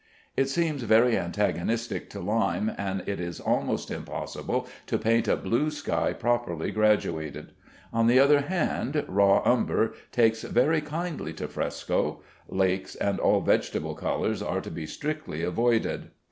It seems very antagonistic to lime, and it is almost impossible to paint a blue sky properly graduated. On the other hand, raw umber takes very kindly to fresco. Lakes and all vegetable colors are to be strictly avoided.